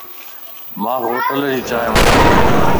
مانک ھوٽل جي چائين وڻ تي